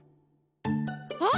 あっ！